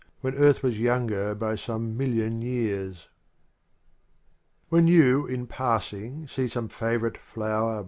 When earth was younger by some mil]io_a^.e5Ers 1 XL When you in passing see some favorite flowed